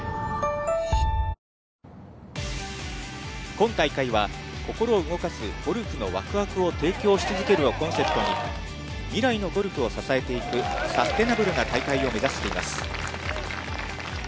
今大会は、心を動かすゴルフのわくわくを提供しつづけるをコンセプトに、未来のゴルフを支えていくサステナブルな大会を目指しています。